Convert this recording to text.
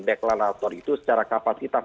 deklarator itu secara kapasitas